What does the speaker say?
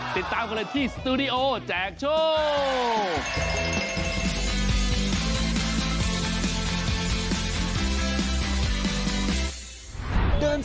ติดตามกันเลยที่สตูดิโอแจกโชค